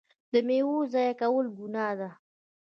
د میوو ضایع کول ګناه ده.